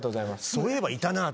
「そういえばいたなぁ」。